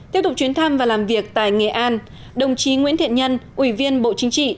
tiếp tục chuyến thăm và làm việc tại nghệ an đồng chí nguyễn thiện nhân ủy viên bộ chính trị